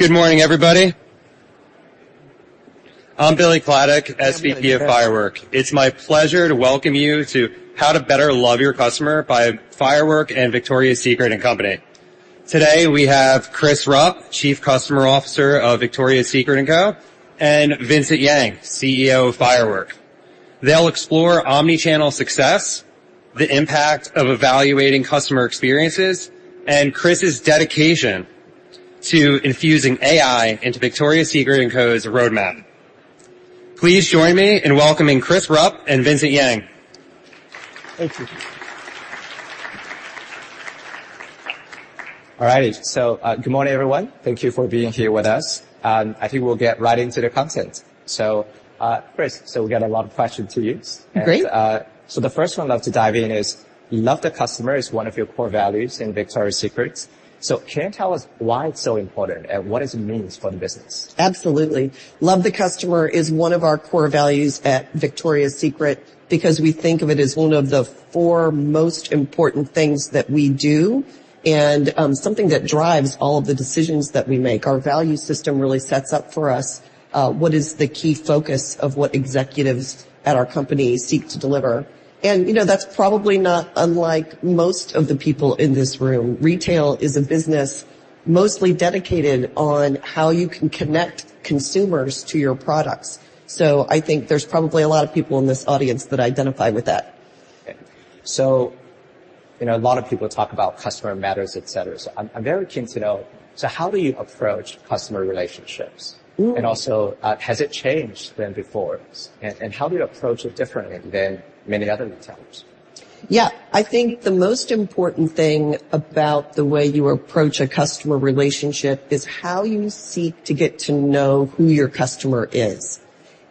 Good morning, everybody. I'm Billy Cladek, SVP of Firework. It's my pleasure to welcome you to How to Better Love Your Customer by Firework and Victoria's Secret & Co. Today, we have Chris Rupp, Chief Customer Officer of Victoria's Secret & Co., and Vincent Yang, CEO of Firework. They'll explore omni-channel success, the impact of evaluating customer experiences, and Chris's dedication to infusing AI into Victoria's Secret & Co.'s roadmap. Please join me in welcoming Chris Rupp and Vincent Yang. Thank you. All righty, so, good morning, everyone. Thank you for being here with us, and I think we'll get right into the content. So, Chris, so we got a lot of questions to you. Great. So the first one I'd love to dive in is: Love the Customer is one of your core values in Victoria's Secret. So can you tell us why it's so important and what it means for the business? Absolutely. Love the Customer is one of our core values at Victoria's Secret because we think of it as one of the four most important things that we do, and something that drives all of the decisions that we make. Our value system really sets up for us what is the key focus of what executives at our company seek to deliver. And, you know, that's probably not unlike most of the people in this room. Retail is a business mostly dedicated on how you can connect consumers to your products. So I think there's probably a lot of people in this audience that identify with that. So, you know, a lot of people talk about customer matters, et cetera. So I'm very keen to know, so how do you approach customer relationships? Mm. And also, has it changed than before? And how do you approach it differently than many other retailers? Yeah. I think the most important thing about the way you approach a customer relationship is how you seek to get to know who your customer is.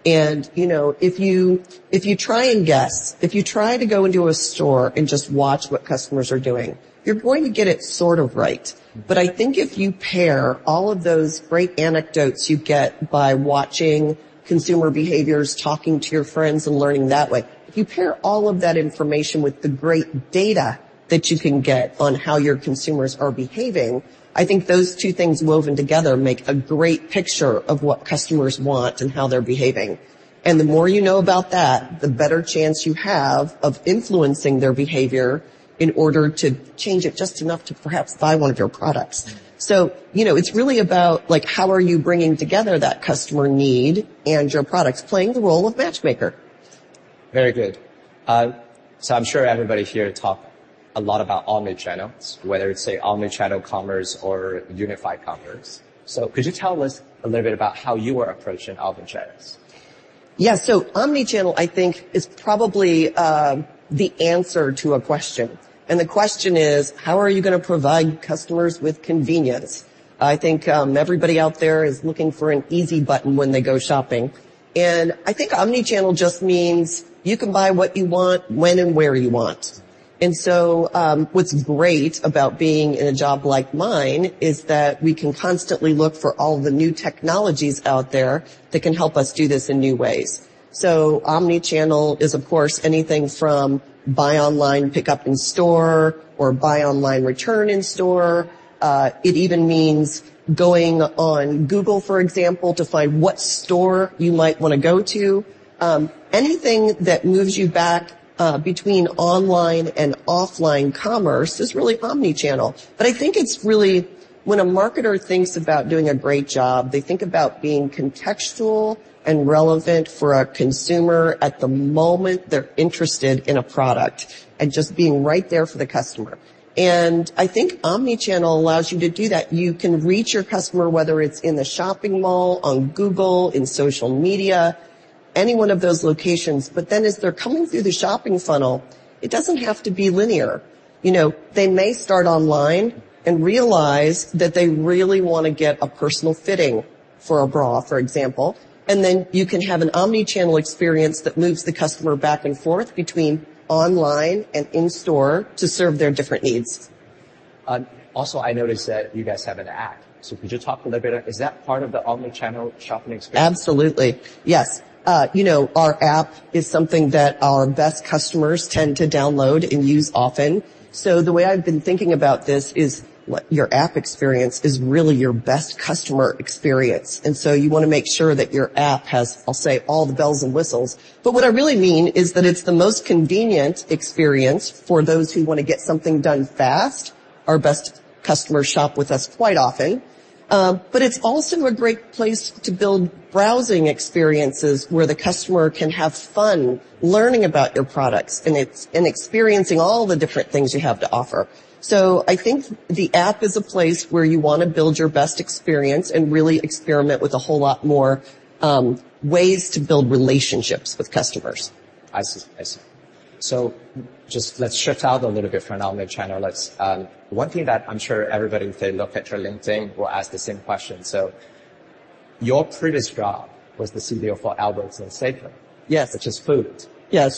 And, you know, if you, if you try and guess, if you try to go into a store and just watch what customers are doing, you're going to get it sort of right. But I think if you pair all of those great anecdotes you get by watching consumer behaviors, talking to your friends, and learning that way, if you pair all of that information with the great data that you can get on how your consumers are behaving, I think those two things woven together make a great picture of what customers want and how they're behaving. The more you know about that, the better chance you have of influencing their behavior in order to change it just enough to perhaps buy one of your products. So, you know, it's really about, like, how are you bringing together that customer need and your products, playing the role of matchmaker? Very good. So I'm sure everybody here talk a lot about Omni-channel, whether it's, say, omni-channel commerce or unified commerce. So could you tell us a little bit about how you are approaching Omni-channels? Yeah. Omni-channel, I think, is probably the answer to a question, and the question is: how are you gonna provide customers with convenience? I think, everybody out there is looking for an easy button when they go shopping. I think Omni-channel just means you can buy what you want, when, and where you want. What's great about being in a job like mine is that we can constantly look for all the new technologies out there that can help us do this in new ways. Omni-channel is, of course, anything from Buy Online, Pickup In-Store, or Buy Online, Return In-Store. It even means going on Google, for example, to find what store you might wanna go to. Anything that moves you back between online and offline commerce is really Omni-channel. But I think it's really when a marketer thinks about doing a great job, they think about being contextual and relevant for a consumer at the moment they're interested in a product and just being right there for the customer. And I think Omni-channel allows you to do that. You can reach your customer, whether it's in the shopping mall, on Google, in social media, any one of those locations. But then as they're coming through the shopping funnel, it doesn't have to be linear. You know, they may start online and realize that they really wanna get a personal fitting for a bra, for example. And then you can have an Omni-channel experience that moves the customer back and forth between online and in-store to serve their different needs. Also, I noticed that you guys have an app. So could you talk a little bit... Is that part of the Omni-channel shopping experience? Absolutely. Yes. You know, our app is something that our best customers tend to download and use often. So the way I've been thinking about this is, what your app experience is really your best customer experience, and so you wanna make sure that your app has, I'll say, all the bells and whistles. But what I really mean is that it's the most convenient experience for those who wanna get something done fast. Our bOst customers shop with us quite often. But it's also a great place to build browsing experiences, where the customer can have fun learning about your products and experiencing all the different things you have to offer. So I think the app is a place where you wanna build your best experience and really experiment with a whole lot more, ways to build relationships with customers. I see. I see. So just let's shift out a little bit from omni-channel. Let's. One thing that I'm sure everybody, if they look at your LinkedIn, will ask the same question. So your previous job was the CDO for Albertsons Safeway- Yes. which is food. Yeah.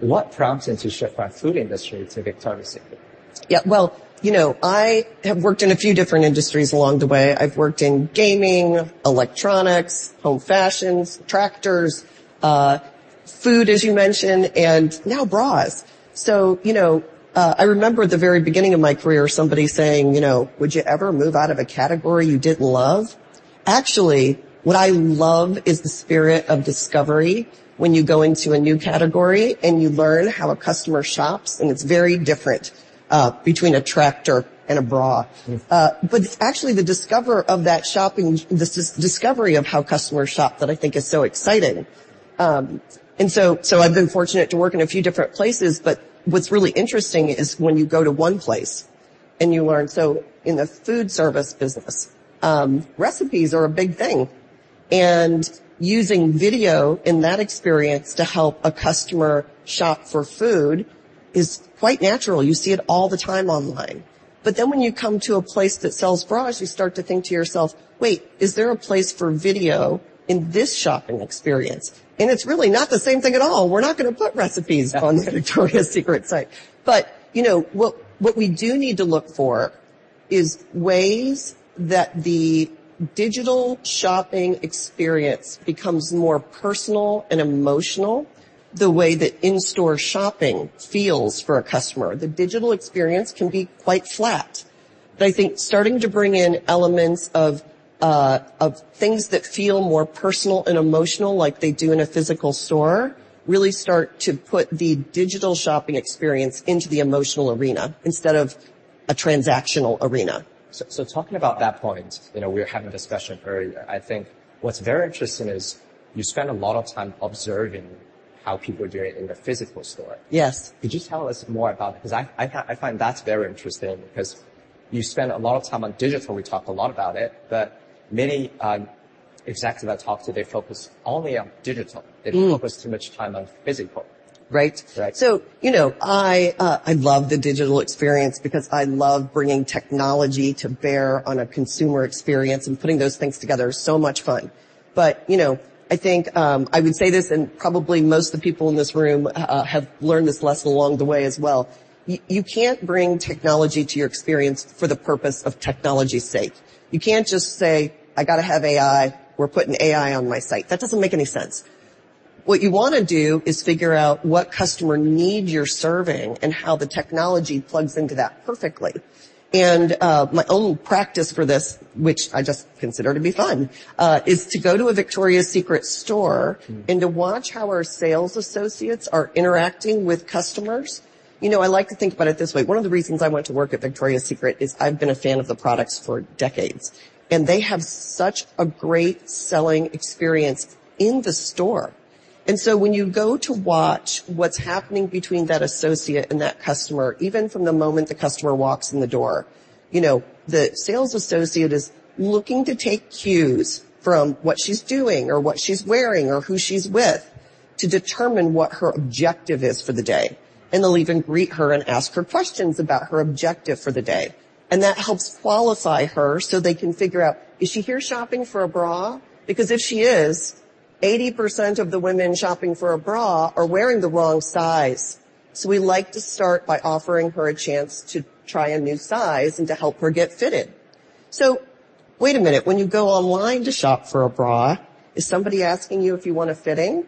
What prompted you to shift from food industry to Victoria's Secret? Yeah, well, you know, I have worked in a few different industries along the way. I've worked in gaming, electronics, home fashions, tractors, food, as you mentioned, and now bras. So, you know, I remember at the very beginning of my career, somebody saying, you know, "Would you ever move out of a category you didn't love?" Actually, what I love is the spirit of discovery when you go into a new category and you learn how a customer shops, and it's very different between a tractor and a bra. Mm. But actually, the discovery of that shopping—this discovery of how customers shop that I think is so exciting. And so, so I've been fortunate to work in a few different places, but what's really interesting is when you go to one place and you learn. So in the food service business, recipes are a big thing, and using video in that experience to help a customer shop for food is quite natural. You see it all the time online. But then when you come to a place that sells bras, you start to think to yourself: "Wait, is there a place for video in this shopping experience?" And it's really not the same thing at all. We're not gonna put recipes on the Victoria's Secret site. But, you know, what we do need to look for is ways that the digital shopping experience becomes more personal and emotional, the way that in-store shopping feels for a customer. The digital experience can be quite flat. But I think starting to bring in elements of things that feel more personal and emotional, like they do in a physical store, really start to put the digital shopping experience into the emotional arena instead of a transactional arena. So, talking about that point, you know, we were having a discussion earlier. I think what's very interesting is you spend a lot of time observing how people are doing it in the physical store. Yes. Could you tell us more about-because I find that very interesting because you spend a lot of time on digital. We talked a lot about it, but many executives I talk to, they focus only on digital. Mm. They don't focus too much time on physical. Right. Right. So, you know, I, I love the digital experience because I love bringing technology to bear on a consumer experience, and putting those things together is so much fun. But, you know, I think, I would say this, and probably most of the people in this room, have learned this lesson along the way as well. You can't bring technology to your experience for the purpose of technology's sake. You can't just say, "I got to have AI. We're putting AI on my site." That doesn't make any sense. What you wanna do is figure out what customer need you're serving and how the technology plugs into that perfectly. And, my own practice for this, which I just consider to be fun, is to go to a Victoria's Secret store- Mm... and to watch how our sales associates are interacting with customers. You know, I like to think about it this way. One of the reasons I went to work at Victoria's Secret is I've been a fan of the products for decades, and they have such a great selling experience in the store. And so when you go to watch what's happening between that associate and that customer, even from the moment the customer walks in the door, you know, the sales associate is looking to take cues from what she's doing or what she's wearing or who she's with to determine what her objective is for the day, and they'll even greet her and ask her questions about her objective for the day. And that helps qualify her so they can figure out, is she here shopping for a bra? Because if she is, 80% of the women shopping for a bra are wearing the wrong size. So we like to start by offering her a chance to try a new size and to help her get fitted. So wait a minute, when you go online to shop for a bra, is somebody asking you if you want a fitting?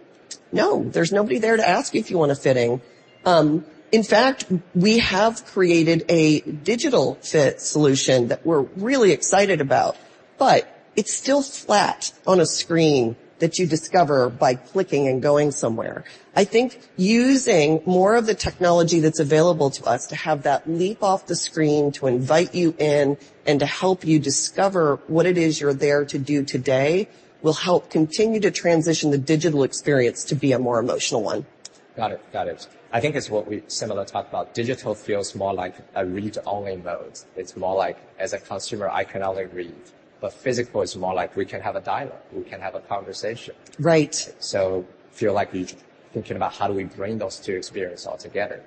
No, there's nobody there to ask you if you want a fitting. In fact, we have created a digital fit solution that we're really excited about, but it's still flat on a screen that you discover by clicking and going somewhere. I think using more of the technology that's available to us to have that leap off the screen, to invite you in and to help you discover what it is you're there to do today, will help continue to transition the digital experience to be a more emotional one. Got it. Got it. I think it's what we similar talked about. Digital feels more like a read-only mode. It's more like, as a consumer, I can only read, but physical is more like we can have a dialogue, we can have a conversation. Right. So, feel like we thinking about how do we bring those two experience all together?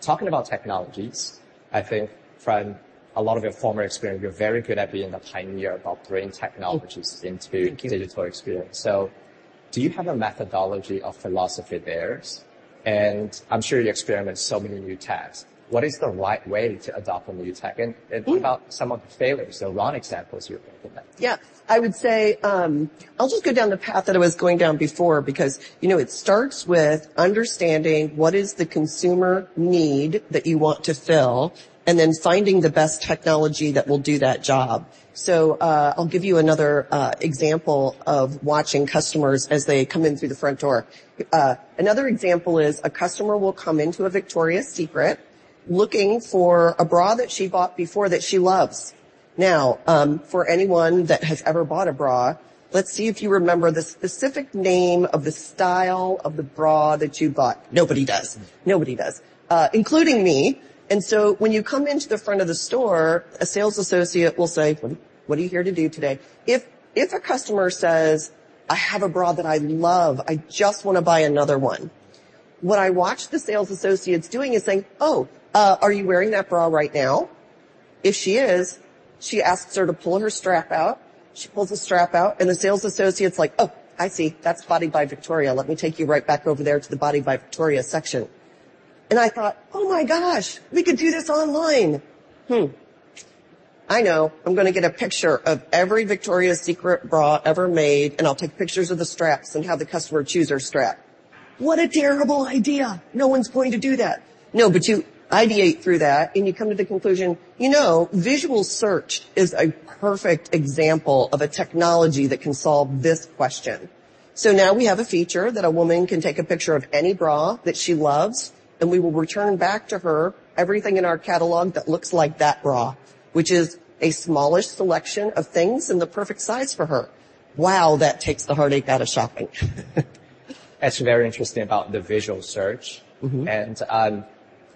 Talking about technologies, I think from a lot of your former experience, you're very good at being a pioneer about bringing technologies- Thank you... into digital experience. So do you have a methodology or philosophy there? And I'm sure you experiment so many new techs. What is the right way to adopt a new tech? Mm. And what about some of the failures, the wrong examples you implemented? Yeah. I would say, I'll just go down the path that I was going down before because, you know, it starts with understanding what is the consumer need that you want to fill, and then finding the best technology that will do that job. So, I'll give you another example of watching customers as they come in through the front door. Another example is a customer will come into a Victoria's Secret looking for a bra that she bought before that she loves. Now, for anyone that has ever bought a bra, let's see if you remember the specific name of the style of the bra that you bought. Nobody does. Nobody does, including me. And so when you come into the front of the store, a sales associate will say, "What are you here to do today?" If a customer says, "I have a bra that I love. I just wanna buy another one," what I watch the sales associates doing is saying, "Oh, are you wearing that bra right now?" If she is, she asks her to pull her strap out. She pulls the strap out, and the sales associate's like, "Oh, I see. That's Body by Victoria. Let me take you right back over there to the Body by Victoria section."... and I thought: "Oh, my gosh! We could do this online. Hmm. I know. I'm gonna get a picture of every Victoria's Secret bra ever made, and I'll take pictures of the straps and have the customer choose her strap." What a terrible idea. No one's going to do that. No, but you ideate through that, and you come to the conclusion, you know, visual search is a perfect example of a technology that can solve this question. So now we have a feature that a woman can take a picture of any bra that she loves, and we will return back to her everything in our catalog that looks like that bra, which is a smaller selection of things in the perfect size for her. Wow, that takes the heartache out of shopping. That's very interesting about the visual search. Mm-hmm.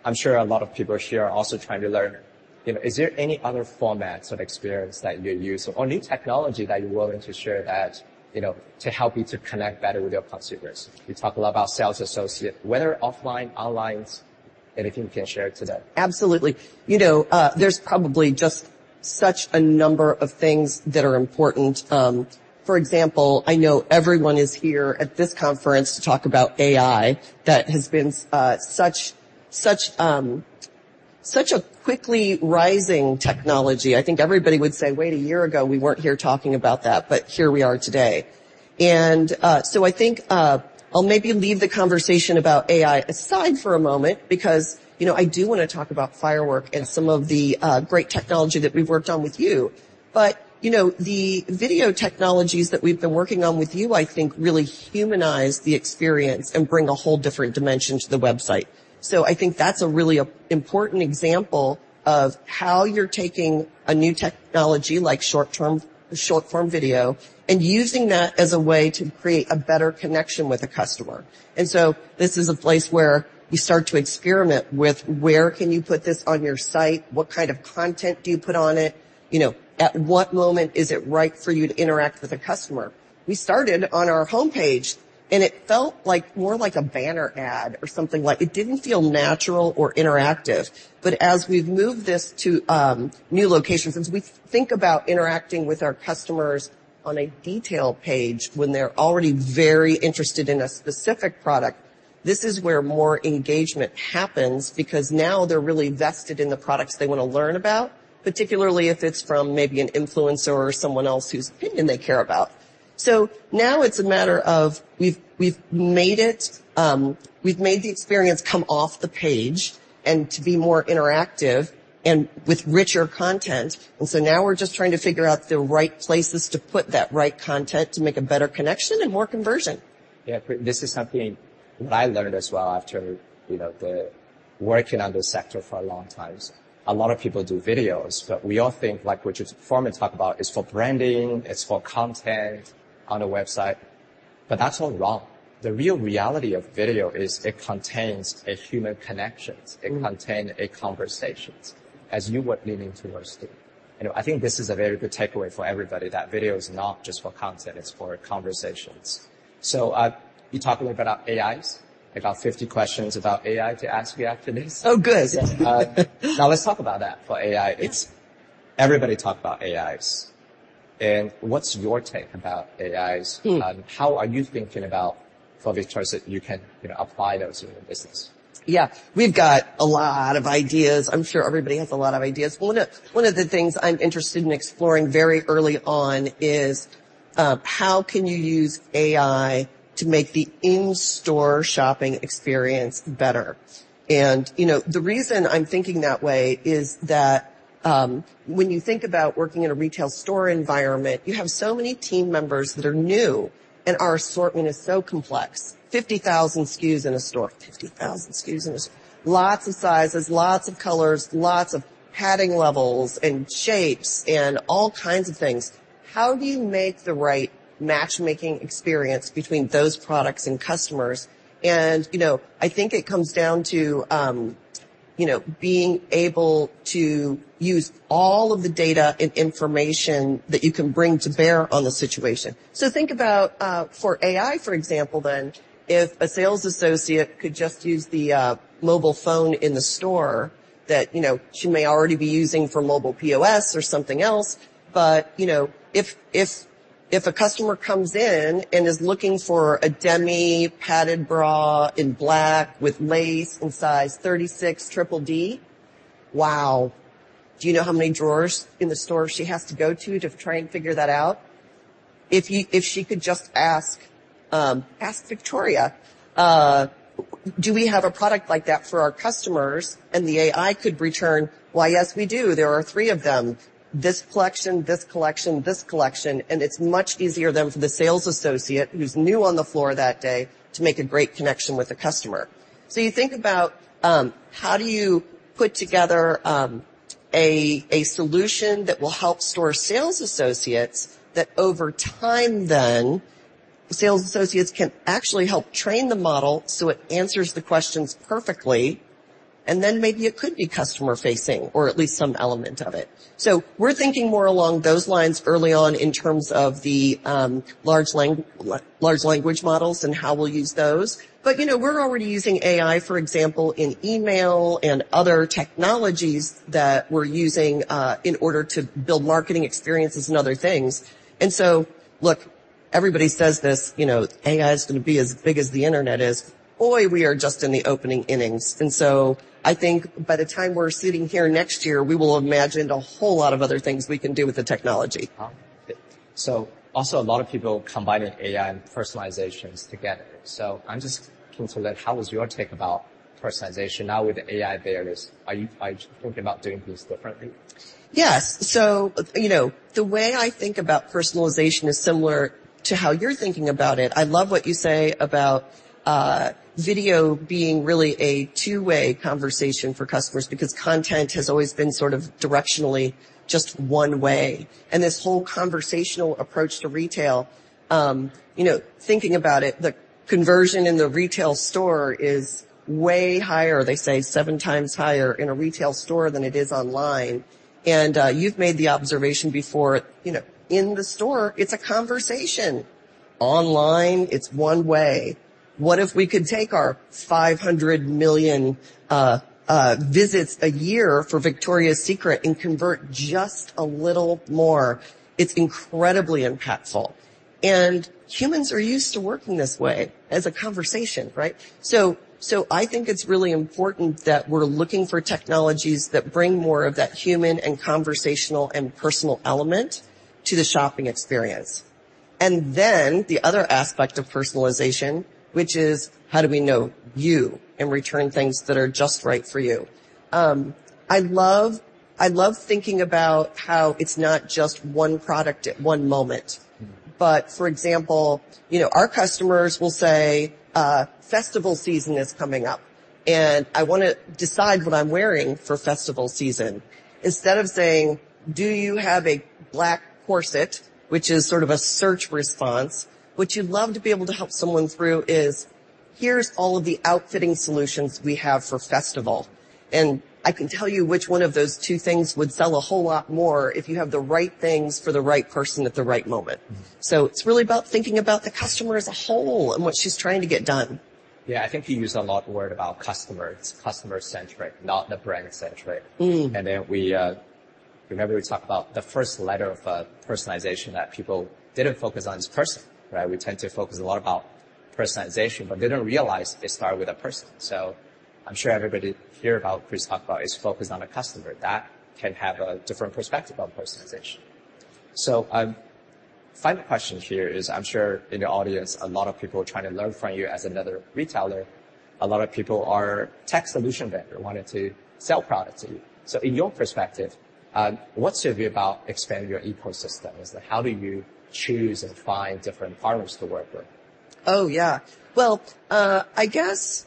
I'm sure a lot of people here are also trying to learn. You know, is there any other formats of experience that you use or new technology that you're willing to share that, you know, to help you to connect better with your consumers? You talk a lot about sales associate, whether offline, online, anything you can share today. Absolutely. You know, there's probably just such a number of things that are important. For example, I know everyone is here at this conference to talk about AI. That has been such a quickly rising technology. I think everybody would say, "Wait, a year ago, we weren't here talking about that," but here we are today. So I think I'll maybe leave the conversation about AI aside for a moment because, you know, I do wanna talk about Firework and some of the great technology that we've worked on with you. But, you know, the video technologies that we've been working on with you, I think, really humanize the experience and bring a whole different dimension to the website. So I think that's a really important example of how you're taking a new technology, like short-term, short-form video, and using that as a way to create a better connection with the customer. And so this is a place where you start to experiment with, where can you put this on your site? What kind of content do you put on it? You know, at what moment is it right for you to interact with a customer? We started on our homepage, and it felt like more like a banner ad or something like... It didn't feel natural or interactive. But as we've moved this to new locations, as we think about interacting with our customers on a detail page when they're already very interested in a specific product, this is where more engagement happens because now they're really vested in the products they wanna learn about, particularly if it's from maybe an influencer or someone else whose opinion they care about. So now it's a matter of we've made the experience come off the page and to be more interactive and with richer content, and so now we're just trying to figure out the right places to put that right content to make a better connection and more conversion. Yeah, this is something that I learned as well after, you know, the working on this sector for a long time. A lot of people do videos, but we all think, like, which is formerly talked about, it's for branding, it's for content on a website, but that's all wrong. The real reality of video is it contains a human connections. Mm. It contains conversations, as you were leaning towards. You know, I think this is a very good takeaway for everybody, that video is not just for content, it's for conversations. So, you talked a little about AIs, about 50 questions about AI to ask me after this. Oh, good. Now, let's talk about that, for AI. Yes. Everybody talk about AIs. What's your take about AIs? Hmm. How are you thinking about for Victoria's Secret, you can, you know, apply those in your business? Yeah. We've got a lot of ideas. I'm sure everybody has a lot of ideas. Well, one of the things I'm interested in exploring very early on is how can you use AI to make the in-store shopping experience better? You know, the reason I'm thinking that way is that when you think about working in a retail store environment, you have so many team members that are new, and our assortment is so complex. 50,000 SKUs in a store, 50,000 SKUs in a store. Lots of sizes, lots of colors, lots of padding levels, and shapes, and all kinds of things. How do you make the right matchmaking experience between those products and customers? You know, I think it comes down to, you know, being able to use all of the data and information that you can bring to bear on the situation. So think about, for AI, for example, then, if a sales associate could just use the mobile phone in the store that, you know, she may already be using for mobile POS or something else, but, you know, if a customer comes in and is looking for a demi-padded bra in black with lace in size 36DDD, wow, do you know how many drawers in the store she has to go to, to try and figure that out? If she could just ask Victoria, "Do we have a product like that for our customers?" And the AI could return: "Why, yes, we do. There are three of them. This collection, this collection, this collection." And it's much easier then for the sales associate who's new on the floor that day to make a great connection with the customer. So you think about how do you put together a solution that will help store sales associates that over time then, the sales associates can actually help train the model so it answers the questions perfectly, and then maybe it could be customer-facing or at least some element of it. So we're thinking more along those lines early on in terms of the large language models and how we'll use those. But, you know, we're already using AI, for example, in email and other technologies that we're using in order to build marketing experiences and other things. And so, look-... Everybody says this, you know, AI is going to be as big as the Internet is. Boy, we are just in the opening innings, and so I think by the time we're sitting here next year, we will have imagined a whole lot of other things we can do with the technology. Also, a lot of people combining AI and personalizations together. So I'm just curious to that, how was your take about personalization now with AI there? Are you thinking about doing things differently? Yes. So, you know, the way I think about personalization is similar to how you're thinking about it. I love what you say about video being really a two-way conversation for customers, because content has always been sort of directionally just one way. And this whole conversational approach to retail, you know, thinking about it, the conversion in the retail store is way higher. They say seven times higher in a retail store than it is online. And you've made the observation before, you know, in the store, it's a conversation. Online, it's one way. What if we could take our 500 million visits a year for Victoria's Secret and convert just a little more? It's incredibly impactful, and humans are used to working this way as a conversation, right? So, I think it's really important that we're looking for technologies that bring more of that human and conversational and personal element to the shopping experience. And then the other aspect of personalization, which is: how do we know you and return things that are just right for you? I love thinking about how it's not just one product at one moment, but for example, you know, our customers will say, "Festival season is coming up, and I want to decide what I'm wearing for festival season." Instead of saying, "Do you have a black corset?" which is sort of a search response. What you'd love to be able to help someone through is, "Here's all of the outfitting solutions we have for festival." And I can tell you which one of those two things would sell a whole lot more if you have the right things for the right person at the right moment. Mm-hmm. It's really about thinking about the customer as a whole and what she's trying to get done. Yeah, I think you use a lot of words about customer. It's customer-centric, not the brand-centric. Mm. And then we remember, we talked about the first letter of personalization that people didn't focus on is person, right? We tend to focus a lot about personalization, but they don't realize they start with a person. So I'm sure everybody here about Chris talk about is focused on a customer. That can have a different perspective on personalization. So, final question here is, I'm sure in the audience, a lot of people are trying to learn from you as another retailer. A lot of people are tech solution vendor, wanting to sell products to you. So in your perspective, what's your view about expanding your ecosystem? Is that how do you choose and find different partners to work with? Oh, yeah. Well, I guess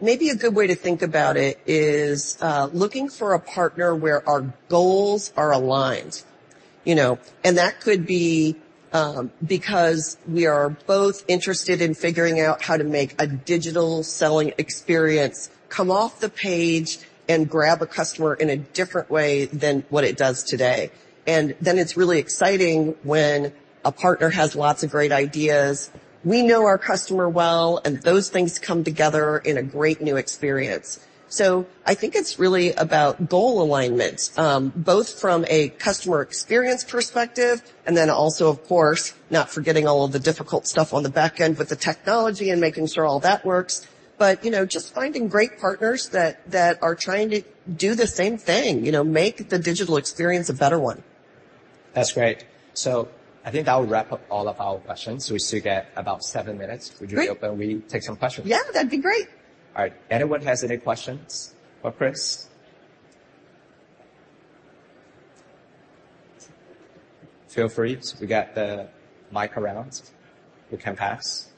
maybe a good way to think about it is looking for a partner where our goals are aligned, you know, and that could be because we are both interested in figuring out how to make a digital selling experience come off the page and grab a customer in a different way than what it does today. And then it's really exciting when a partner has lots of great ideas. We know our customer well, and those things come together in a great new experience. So I think it's really about goal alignment, both from a customer experience perspective and then also, of course, not forgetting all of the difficult stuff on the back end with the technology and making sure all that works. But, you know, just finding great partners that are trying to do the same thing, you know, make the digital experience a better one. That's great. I think that will wrap up all of our questions. We still get about seven minutes. Great. Would you be open we take some questions? Yeah, that'd be great. All right. Anyone has any questions for Chris? Feel free. We got the mic around. We can pass.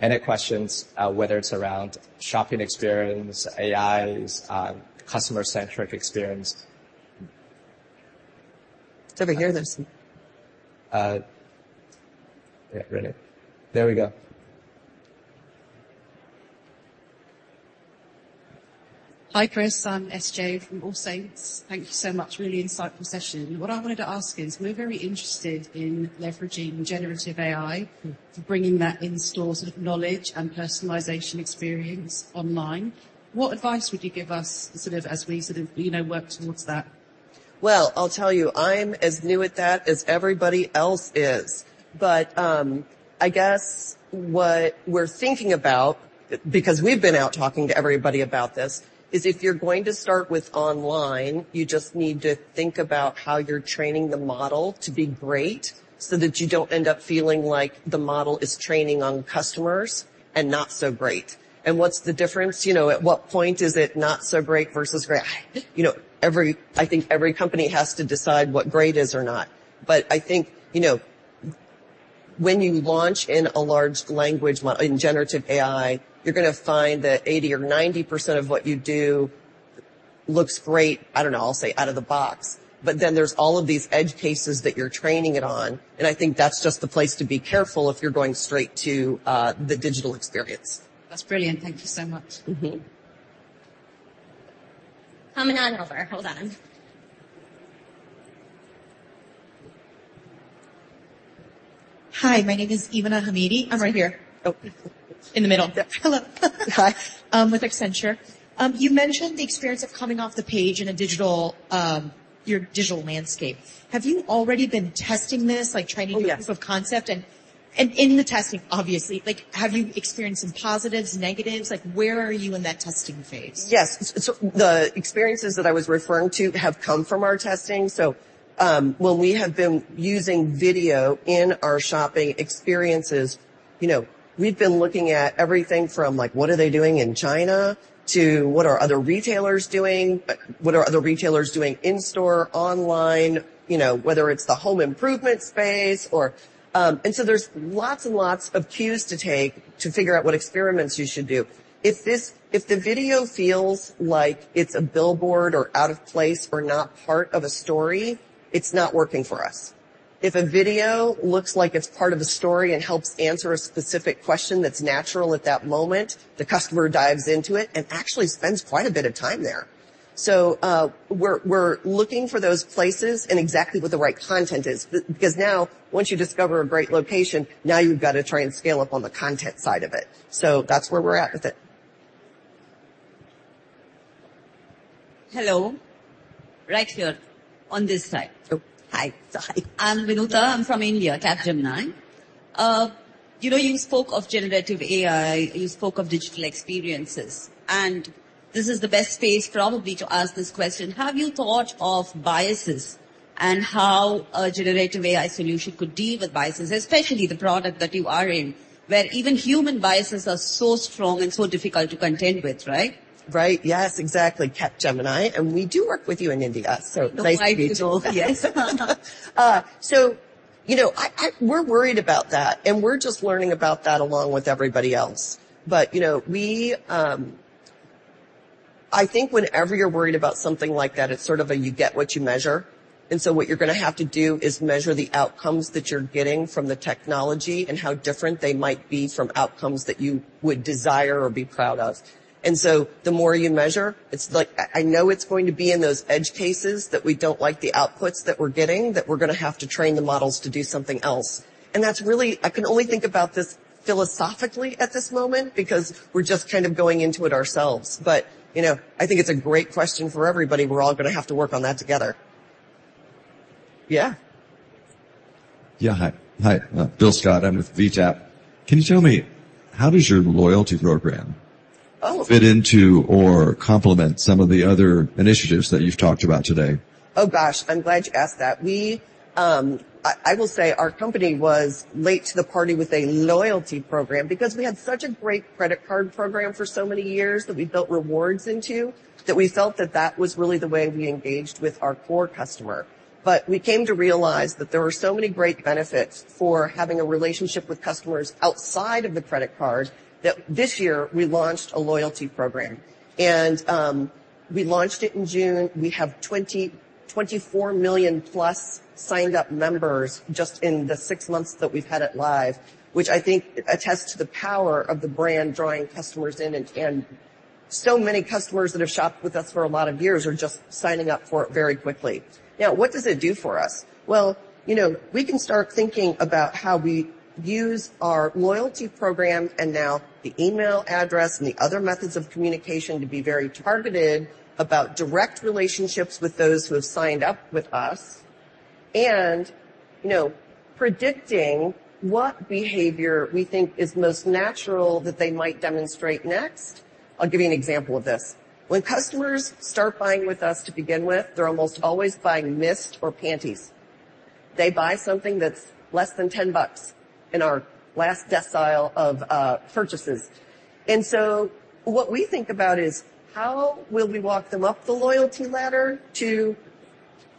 Any questions, whether it's around shopping experience, AIs, customer-centric experience. Over here, there's- Yeah, really. There we go. Hi, Chris. I'm SJ from AllSaints. Thank you so much. Really insightful session. What I wanted to ask is, we're very interested in leveraging generative AI, bringing that in-store sort of knowledge and personalization experience online. What advice would you give us sort of as we sort of, you know, work towards that? Well, I'll tell you, I'm as new at that as everybody else is, but, I guess what we're thinking about, because we've been out talking to everybody about this, is if you're going to start with online, you just need to think about how you're training the model to be great so that you don't end up feeling like the model is training on customers and not so great. And what's the difference? You know, at what point is it not so great versus great? You know, I think every company has to decide what great is or not. But I think, you know, when you launch in a large language model, in generative AI, you're gonna find that 80% or 90% of what you do looks great, I don't know, I'll say out of the box, but then there's all of these edge cases that you're training it on, and I think that's just the place to be careful if you're going straight to the digital experience. That's brilliant. Thank you so much. Mm-hmm. Coming on over. Hold on.... Hi, my name is Ivana Hamidi. I'm right here. Oh, in the middle. Yep. Hello. Hi. With Accenture. You mentioned the experience of coming off the page in a digital, your digital landscape. Have you already been testing this, like, trying to- Oh, yes. Get proof of concept? And, and in the testing, obviously, like, have you experienced some positives, negatives? Like, where are you in that testing phase? Yes. So the experiences that I was referring to have come from our testing. So, when we have been using video in our shopping experiences, you know, we've been looking at everything from, like, what are they doing in China? To what are other retailers doing? But what are other retailers doing in-store, online, you know, whether it's the home improvement space or... And so there's lots and lots of cues to take to figure out what experiments you should do. If the video feels like it's a billboard or out of place or not part of a story, it's not working for us. If a video looks like it's part of a story and helps answer a specific question that's natural at that moment, the customer dives into it and actually spends quite a bit of time there. So, we're looking for those places and exactly what the right content is. Because now, once you discover a great location, now you've got to try and scale up on the content side of it. So that's where we're at with it. Hello. Right here, on this side. Oh, hi. Hi. I'm Vinutha. I'm from India, Capgemini. You know, you spoke of Generative AI, you spoke of digital experiences, and this is the best space probably to ask this question: Have you thought of biases and how a Generative AI solution could deal with biases, especially the product that you are in, where even human biases are so strong and so difficult to contend with, right? Right. Yes, exactly, Capgemini, and we do work with you in India, so nice to meet you. Yes. So, you know, we're worried about that, and we're just learning about that along with everybody else. But, you know, I think whenever you're worried about something like that, it's sort of a you get what you measure. And so what you're gonna have to do is measure the outcomes that you're getting from the technology and how different they might be from outcomes that you would desire or be proud of. And so the more you measure, it's like I know it's going to be in those edge cases that we don't like the outputs that we're getting, that we're gonna have to train the models to do something else. And that's really I can only think about this philosophically at this moment because we're just kind of going into it ourselves. But, you know, I think it's a great question for everybody. We're all gonna have to work on that together. Yeah. Yeah. Hi. Hi. Bill Scott, I'm with VTAP. Can you tell me how does your loyalty program- Oh! fit into or complement some of the other initiatives that you've talked about today? Oh, gosh, I'm glad you asked that. We, I will say our company was late to the party with a loyalty program because we had such a great credit card program for so many years that we built rewards into, that we felt that that was really the way we engaged with our core customer. But we came to realize that there were so many great benefits for having a relationship with customers outside of the credit card, that this year we launched a loyalty program. And, we launched it in June. We have 24 million+ signed-up members just in the six months that we've had it live, which I think attests to the power of the brand drawing customers in. And, so many customers that have shopped with us for a lot of years are just signing up for it very quickly. Now, what does it do for us? Well, you know, we can start thinking about how we use our loyalty program and now the email address and the other methods of communication to be very targeted about direct relationships with those who have signed up with us, and, you know, predicting what behavior we think is most natural that they might demonstrate next. I'll give you an example of this. When customers start buying with us to begin with, they're almost always buying mist or panties. They buy something that's less than $10 in our last decile of purchases. And so what we think about is: How will we walk them up the loyalty ladder to...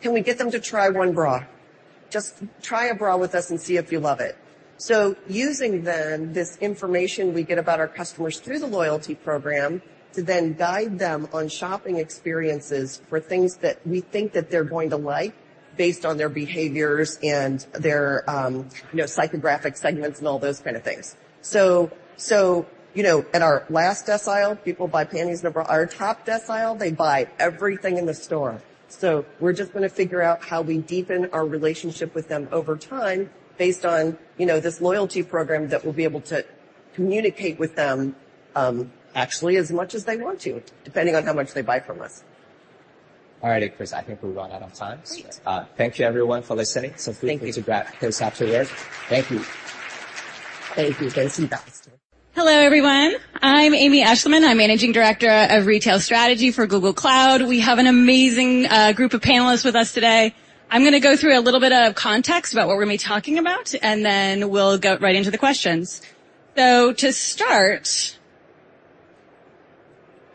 Can we get them to try one bra? Just try a bra with us and see if you love it. So using then, this information we get about our customers through the loyalty program, to then guide them on shopping experiences for things that we think that they're going to like based on their behaviors and their, you know, psychographic segments and all those kind of things. So, so, you know, at our last decile, people buy panties and a bra. Our top decile, they buy everything in the store. So we're just gonna figure out how we deepen our relationship with them over time based on, you know, this loyalty program that we'll be able to communicate with them, actually as much as they want to, depending on how much they buy from us. All righty, Chris, I think we've run out of time. Great. Thank you, everyone, for listening. Thank you. So please give Chris Rupp applause. Thank you. Hello, everyone. I'm Amy Eschliman. I'm Managing Director of Retail Strategy for Google Cloud. We have an amazing group of panelists with us today. I'm gonna go through a little bit of context about what we're gonna be talking about, and then we'll get right into the questions. So to start,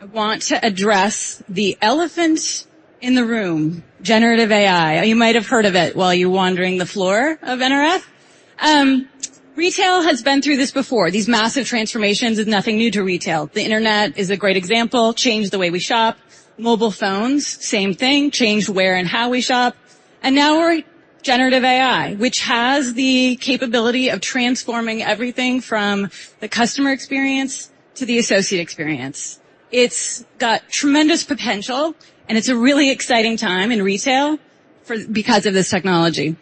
I want to address the elephant in the room, generative AI. You might have heard of it while you're wandering the floor of NRF. Retail has been through this before. These massive transformations is nothing new to retail. The Internet is a great example, changed the way we shop. Mobile phones, same thing, changed where and how we shop. And now we're generative AI, which has the capability of transforming everything from the customer experience to the associate experience. It's got tremendous potential, and it's a really exciting time in retail for because of this technology.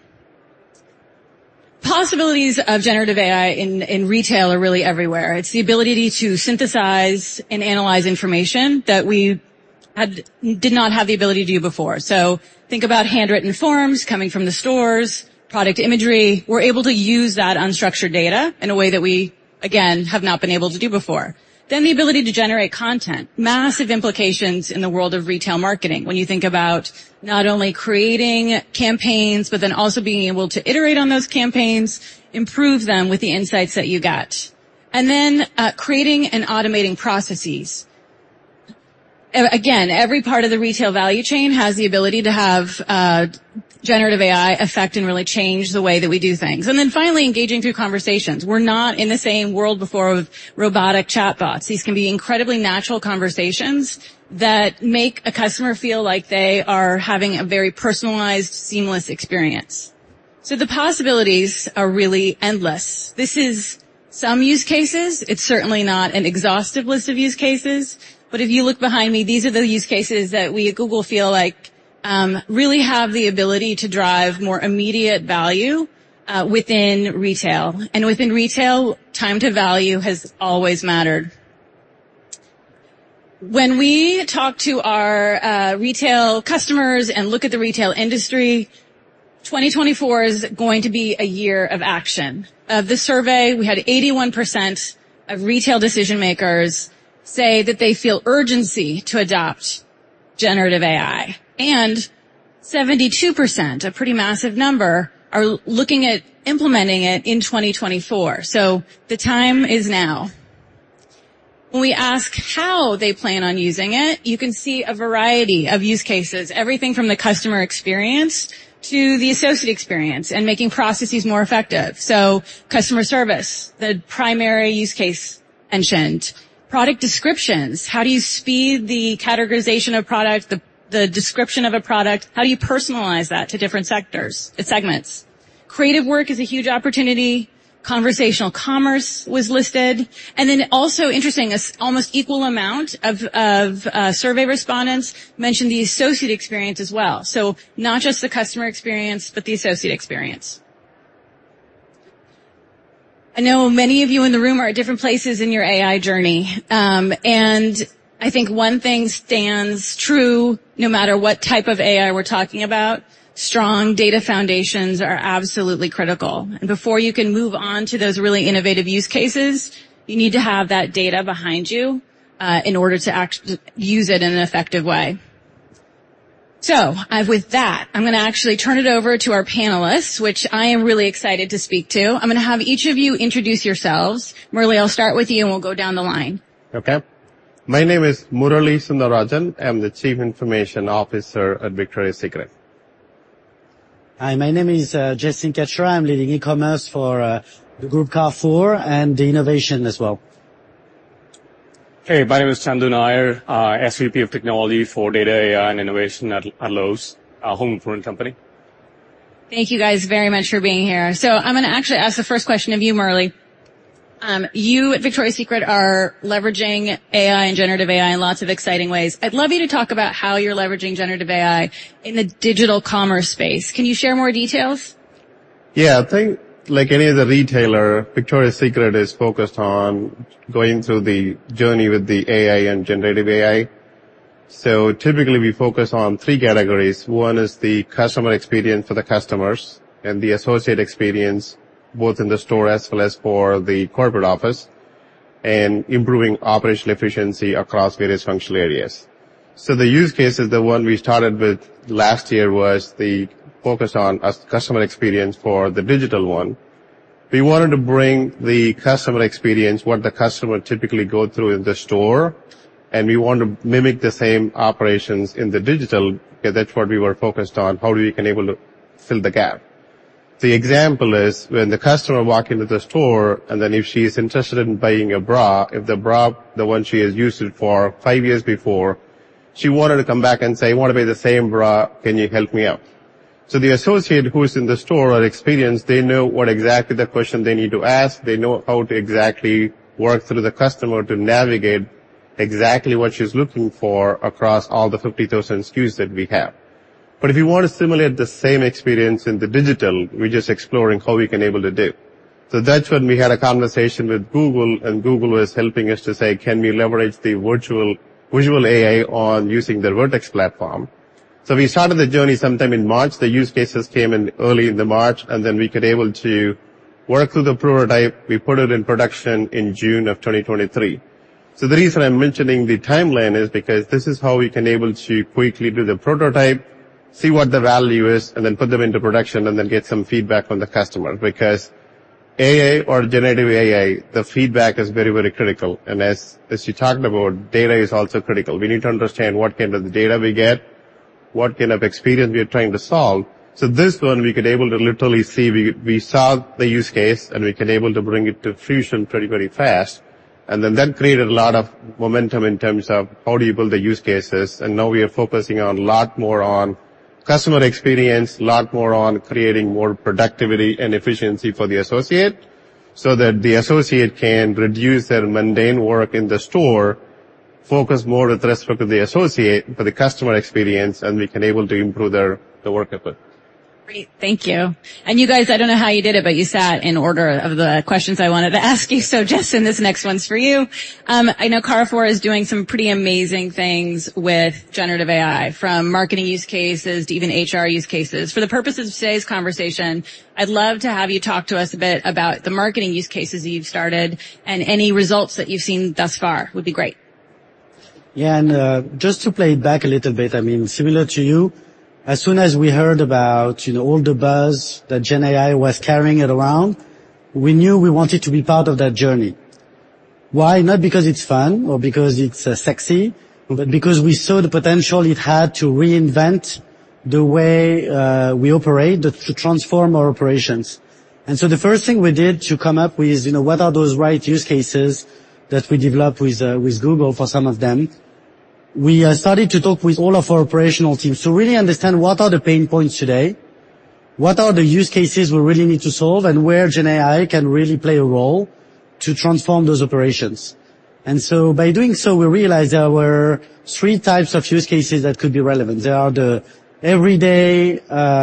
possibilities of generative AI in retail are really everywhere. It's the ability to synthesize and analyze information that we did not have the ability to do before. So think about handwritten forms coming from the stores, product imagery. We're able to use that unstructured data in a way that we, again, have not been able to do before. Then the ability to generate content. Massive implications in the world of retail marketing when you think about not only creating campaigns, but then also being able to iterate on those campaigns, improve them with the insights that you get. And then, creating and automating processes. Again, every part of the retail value chain has the ability to have generative AI affect and really change the way that we do things. And then finally, engaging through conversations. We're not in the same world before with robotic chatbots. These can be incredibly natural conversations that make a customer feel like they are having a very personalized, seamless experience. So the possibilities are really endless. This is some use cases. It's certainly not an exhaustive list of use cases, but if you look behind me, these are the use cases that we at Google feel like really have the ability to drive more immediate value within retail. And within retail, time to value has always mattered. When we talk to our retail customers and look at the retail industry, 2024 is going to be a year of action. Of the survey, we had 81% of retail decision makers say that they feel urgency to adopt generative AI, and 72%, a pretty massive number, are looking at implementing it in 2024. So the time is now. When we ask how they plan on using it, you can see a variety of use cases, everything from the customer experience to the associate experience and making processes more effective. So customer service, the primary use case mentioned. Product descriptions, how do you speed the categorization of product, the, the description of a product? How do you personalize that to different sectors and segments? Creative work is a huge opportunity. Conversational commerce was listed. And then also interesting, as almost equal amount of, of, survey respondents mentioned the associate experience as well. So not just the customer experience, but the associate experience. I know many of you in the room are at different places in your AI journey. And I think one thing stands true, no matter what type of AI we're talking about, strong data foundations are absolutely critical. Before you can move on to those really innovative use cases, you need to have that data behind you in order to use it in an effective way. So, with that, I'm gonna actually turn it over to our panelists, which I am really excited to speak to. I'm gonna have each of you introduce yourselves. Murali, I'll start with you, and we'll go down the line. Okay. My name is Murali Sundararajan. I'm the Chief Information Officer at Victoria's Secret. Hi, my name is Jessyn Katchera. I'm leading e-commerce for the group Carrefour and the innovation as well. Hey, my name is Chandu Nair, SVP of Technology for Data, AI, and Innovation at Lowe's, a home improvement company. Thank you guys very much for being here. So I'm gonna actually ask the first question of you, Murali. You at Victoria's Secret are leveraging AI and generative AI in lots of exciting ways. I'd love you to talk about how you're leveraging generative AI in the digital commerce space. Can you share more details? Yeah, I think like any other retailer, Victoria's Secret is focused on going through the journey with the AI and generative AI. So typically, we focus on three categories. One is the customer experience for the customers and the associate experience, both in the store as well as for the corporate office, and improving operational efficiency across various functional areas. So the use case is the one we started with last year, was the focus on a customer experience for the digital one. We wanted to bring the customer experience, what the customer typically go through in the store, and we want to mimic the same operations in the digital because that's what we were focused on, how we can able to fill the gap. The example is when the customer walk into the store, and then if she's interested in buying a bra, if the bra, the one she has used it for five years before, she wanted to come back and say: "I want to buy the same bra. Can you help me out?" So the associate who is in the store are experienced, they know what exactly the question they need to ask. They know how to exactly work through the customer to navigate exactly what she's looking for across all the 50,000 SKUs that we have. But if you want to simulate the same experience in the digital, we're just exploring how we can able to do. So that's when we had a conversation with Google, and Google was helping us to say: "Can we leverage the Vertex AI using the Vertex platform?" So we started the journey sometime in March. The use cases came in early in the March, and then we could able to work through the prototype. We put it in production in June of 2023. So the reason I'm mentioning the timeline is because this is how we can able to quickly do the prototype, see what the value is, and then put them into production, and then get some feedback from the customer. Because AI or generative AI, the feedback is very, very critical, and as, as you talked about, data is also critical. We need to understand what kind of the data we get, what kind of experience we are trying to solve. So this one, we could able to literally see. We, we solved the use case, and we can able to bring it to fruition pretty, very fast. And then that created a lot of momentum in terms of how do you build the use cases, and now we are focusing on a lot more on customer experience, a lot more on creating more productivity and efficiency for the associate, so that the associate can reduce their mundane work in the store-... focus more with respect to the associate, for the customer experience, and we can able to improve their, the work output. Great, thank you. You guys, I don't know how you did it, but you sat in order of the questions I wanted to ask you. Jessyn, this next one's for you. I know Carrefour is doing some pretty amazing things with Generative AI, from marketing use cases to even HR use cases. For the purposes of today's conversation, I'd love to have you talk to us a bit about the marketing use cases you've started, and any results that you've seen thus far would be great. Yeah, and, just to play it back a little bit, I mean, similar to you, as soon as we heard about, you know, all the buzz that Gen AI was carrying it around, we knew we wanted to be part of that journey. Why? Not because it's fun or because it's sexy, but because we saw the potential it had to reinvent the way we operate, to transform our operations. And so the first thing we did to come up with, you know, what are those right use cases that we developed with Google for some of them, we started to talk with all of our operational teams to really understand what are the pain points today, what are the use cases we really need to solve, and where Gen AI can really play a role to transform those operations. By doing so, we realized there were three types of use cases that could be relevant. There are the everyday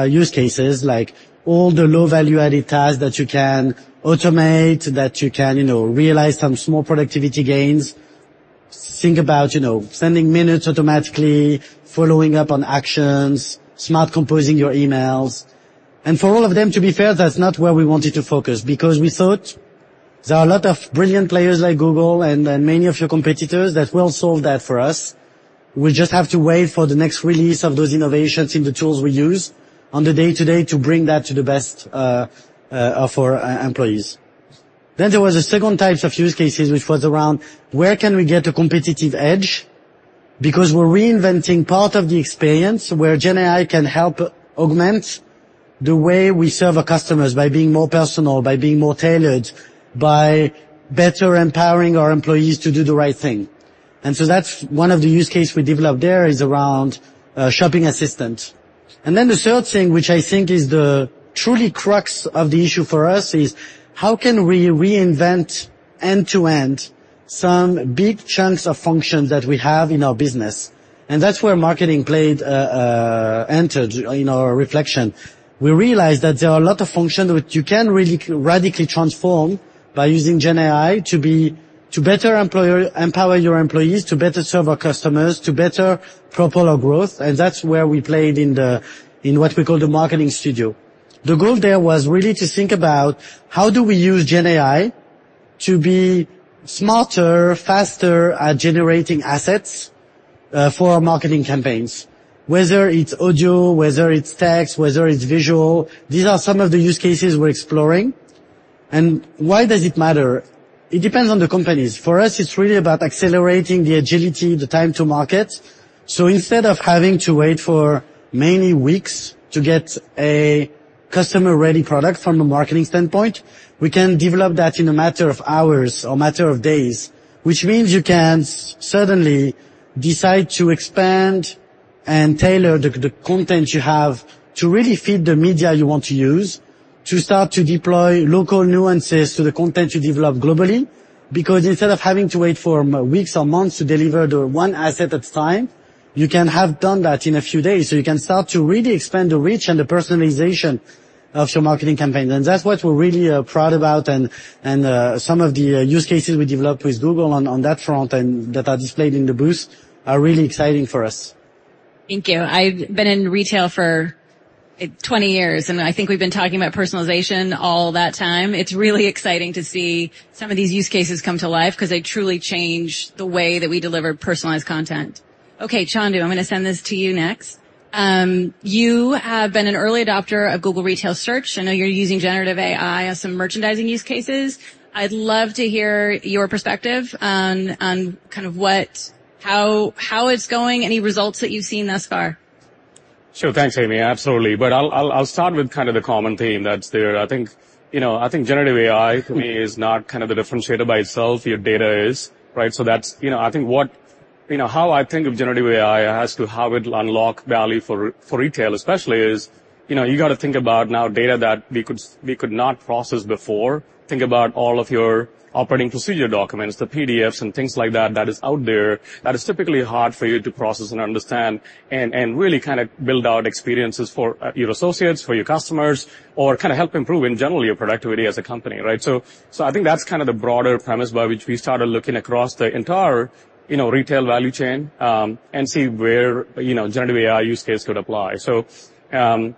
use cases, like all the low-value-added tasks that you can automate, that you can, you know, realize some small productivity gains. Think about, you know, sending minutes automatically, following up on actions, smart composing your emails. And for all of them, to be fair, that's not where we wanted to focus, because we thought there are a lot of brilliant players like Google and many of your competitors that will solve that for us. We just have to wait for the next release of those innovations in the tools we use on the day-to-day to bring that to the best for our employees. Then there was the second types of use cases, which was around: where can we get a competitive edge? Because we're reinventing part of the experience where Gen AI can help augment the way we serve our customers, by being more personal, by being more tailored, by better empowering our employees to do the right thing. And so that's one of the use case we developed there, is around, shopping assistant. And then the third thing, which I think is the truly crux of the issue for us, is: how can we reinvent end-to-end some big chunks of functions that we have in our business? And that's where marketing played, entered in our reflection. We realized that there are a lot of functions which you can really radically transform by using Gen AI to better empower your employees, to better serve our customers, to better propel our growth, and that's where we played in what we call the marketing studio. The goal there was really to think about: how do we use Gen AI to be smarter, faster at generating assets for our marketing campaigns? Whether it's audio, whether it's text, whether it's visual, these are some of the use cases we're exploring. Why does it matter? It depends on the companies. For us, it's really about accelerating the agility, the time to market. Instead of having to wait for many weeks to get a customer-ready product from a marketing standpoint, we can develop that in a matter of hours or a matter of days. Which means you can suddenly decide to expand and tailor the content you have to really fit the media you want to use, to start to deploy local nuances to the content you develop globally. Because instead of having to wait for weeks or months to deliver the one asset at a time, you can have done that in a few days. So you can start to really expand the reach and the personalization of your marketing campaign. And that's what we're really proud about. And some of the use cases we developed with Google on that front and that are displayed in the booth are really exciting for us. Thank you. I've been in retail for 20 years, and I think we've been talking about personalization all that time. It's really exciting to see some of these use cases come to life because they truly change the way that we deliver personalized content. Okay, Chandu, I'm going to send this to you next. You have been an early adopter of Google Retail Search. I know you're using generative AI on some merchandising use cases. I'd love to hear your perspective on kind of what how it's going, any results that you've seen thus far. Sure. Thanks, Amy. Absolutely. But I'll start with kind of the common theme that's there. I think, you know, I think generative AI for me, is not kind of the differentiator by itself. Your data is, right? So that's, you know, I think what... You know, how I think of generative AI as to how it'll unlock value for, for retail especially, is, you know, you got to think about now data that we could not process before. Think about all of your operating procedure documents, the PDFs and things like that, that is out there, that is typically hard for you to process and understand and really kind of build out experiences for your associates, for your customers, or kind of help improve in general, your productivity as a company, right? So, I think that's kind of the broader premise by which we started looking across the entire, you know, retail value chain, and see where, you know, generative AI use case could apply. So, and